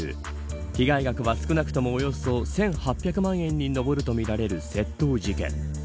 被害額は少なくともおよそ１８００万円に上るとみられる窃盗事件。